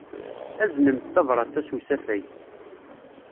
Aznemt tabṛat-a s usafag.